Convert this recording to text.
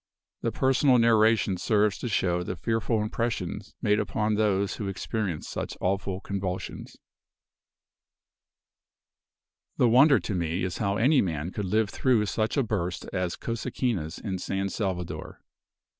The personal narration serves to show the fearful impressions made upon those who experience such awful convulsions: "The wonder to me is how any man could live through such a burst as Cosequina's in San Salvador.